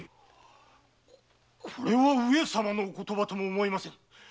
これは上様の言葉とも思えませぬ。